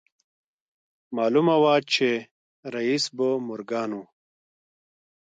معلومه وه چې رييس به مورګان و.